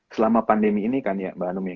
selama pandemi ini kan ya mbak anung ya